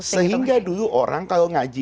sehingga dulu orang kalau ngaji